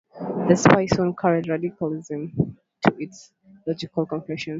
The "Spy" soon carried radicalism to its logical conclusion.